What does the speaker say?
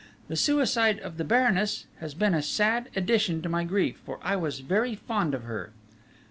The suicide of the Baroness has been a sad addition to my grief, for I was very fond of her!..."